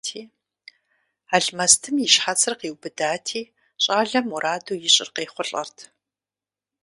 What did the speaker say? Алмэстым и щхьэцыр къиубыдати, щӀалэм мураду ищӀыр къехъулӀэрт.